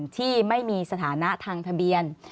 ที่ไม่มีสถานะทางทะเบียน